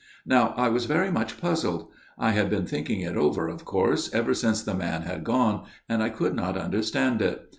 " Now, I was very much puzzled. I had been thinking it over, of course, ever since the man had gone, and I could not understand it.